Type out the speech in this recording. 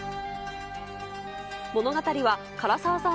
物語は、唐沢さん